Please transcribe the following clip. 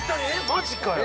マジかよ！